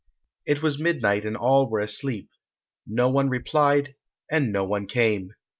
It was midnight and all were asleep. No one replied, and no one came.